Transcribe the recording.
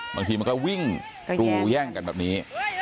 บางทีมันก็วิ่งกรูแย่งกันแบบนี้